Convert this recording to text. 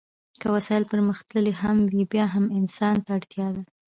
که وسایل پرمختللي هم وي بیا هم انسان ته اړتیا ده.